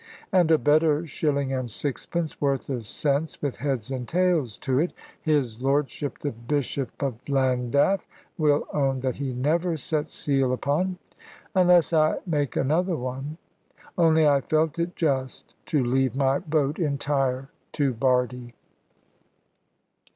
And a better shilling and sixpence worth of sense, with heads and tails to it, his lordship the Bishop of Llandaff will own that he never set seal upon; unless I make another one. Only I felt it just to leave my boat entire to Bardie.